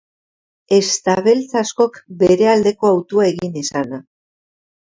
Ezta beltz askok bere aldeko hautua egin izana.